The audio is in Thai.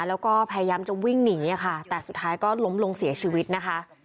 แล้วก็พยายามจะวิ่งหนีค่ะแต่สุดท้ายก็ล้มลงเสียชีวิตนะคะ